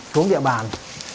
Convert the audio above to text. xuống địa bàn